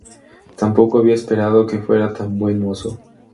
Tampoco había esperado que fuera tan buen mozo".